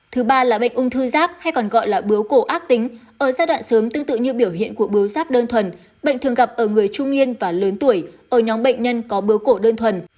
thứ ba là bệnh ung thư giáp hay còn gọi là bướu cổ ác tính ở giai đoạn sớm tương tự như biểu hiện của bưu giáp đơn thuần bệnh thường gặp ở người trung niên và lớn tuổi ở nhóm bệnh nhân có bưu cổ đơn thuần